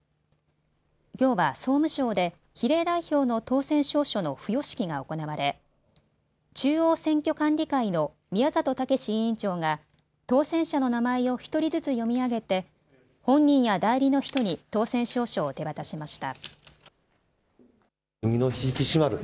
きょうは総務省で比例代表の当選証書の付与式が行われ中央選挙管理会の宮里猛委員長が当選者の名前を１人ずつ読み上げて本人や代理の人に当選証書を手渡しました。